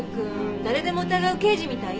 誰でも疑う刑事みたい。